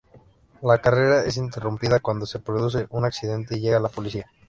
La carrera es interrumpida cuando se produce un accidente y llega la policía.